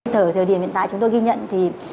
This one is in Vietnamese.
thời điểm hiện tại chúng tôi ghi nhận thì